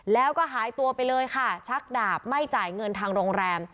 แล้วก็หายตัวไปเลยค่ะชักดาบไม่จ่ายเงินทางโรงแรม